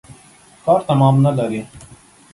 کار تمام نلري.